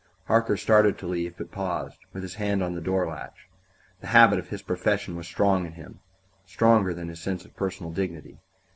Harker started to leave, but paused, with his hand on the door latch. The habit of his profession was strong in him stronger than his sense of personal dignity.